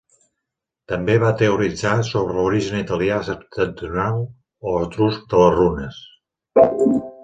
També va teoritzar sobre l'origen italià septentrional o etrusc de les runes.